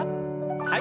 はい。